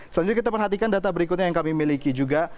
selanjutnya kita perhatikan data berikutnya yang kami miliki juga